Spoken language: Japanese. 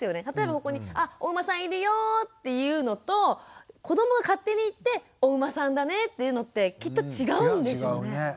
例えばそこに「あお馬さんいるよ」って言うのと子どもが勝手に行って「お馬さんだね」って言うのってきっと違うんでしょうね。